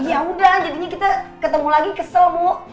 ya udah jadinya kita ketemu lagi kesel bu